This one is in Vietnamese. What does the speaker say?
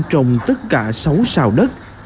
trồng tất cả sáu xào đất